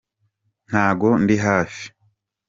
ntago ndihafi.